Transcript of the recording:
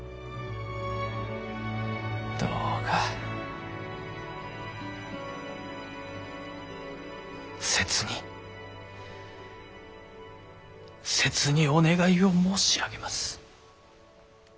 どうか切に切にお願いを申し上げます。